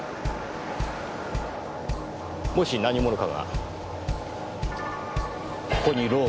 もし何者かがここにロープを掛けて。